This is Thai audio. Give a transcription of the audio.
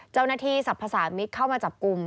เจ้าหน้าที่สรรพสามิตรเข้ามาจับกลุ่ม